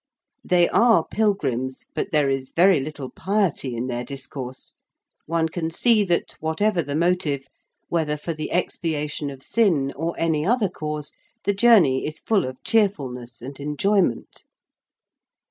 They are pilgrims, but there is very little piety in their discourse: one can see that, whatever the motive, whether for the expiation of sin, or any other cause, the journey is full of cheerfulness and enjoyment.